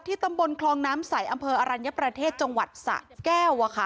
ตำบลคลองน้ำใสอำเภออรัญญประเทศจังหวัดสะแก้ว